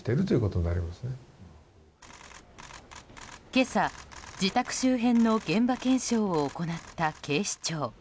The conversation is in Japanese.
今朝、自宅周辺の現場検証を行った警視庁。